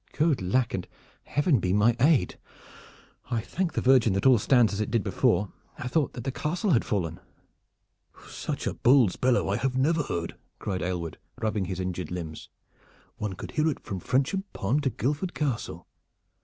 "Good lack, and Heaven be my aid! I thank the Virgin that all stands as it did before. I thought that the castle had fallen." "Such a bull's bellow I have never heard," cried Aylward, rubbing his injured limbs. "One could hear it from Frensham Pond to Guildford Castle.